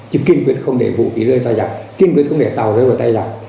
chứ kiên quyết không để vũ khí rơi tay giặc kiên quyết không để tàu rơi vào tay giặc